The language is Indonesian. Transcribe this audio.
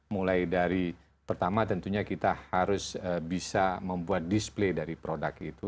mulai dari pertama tentunya kita harus bisa membuat display dari produk itu